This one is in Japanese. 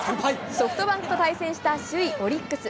ソフトバンクと対戦した首位オリックス。